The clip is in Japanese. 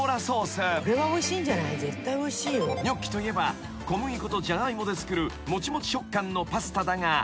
［ニョッキといえば小麦粉とジャガイモで作るもちもち食感のパスタだが］